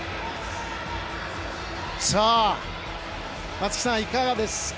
松木さん、いかがですか？